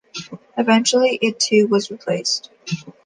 Eventually it too was replaced.